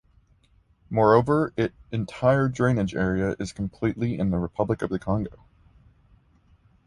Moreover, it entire drainage area is completely in the Republic of the Congo.